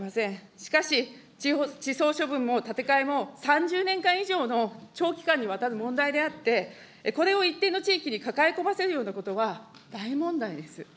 しかし地層処分も建て替えも３０年間以上の長期間にわたる問題であって、これを一定の地域に抱え込ませるようなことは大問題です。